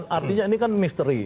artinya ini kan misteri